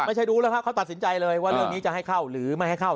ไม่รู้แล้วครับเขาตัดสินใจเลยว่าเรื่องนี้จะให้เข้าหรือไม่ให้เข้า